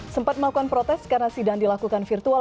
sempat melakukan protes karena sidang dilakukan virtual